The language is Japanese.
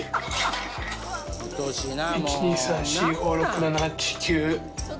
１２３４５６７８９。